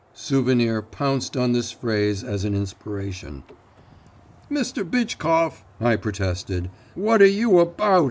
Souvenir pounced on this phrase as an inspiration. 'Mr. Bitchkov,' I protested. 'What are you about?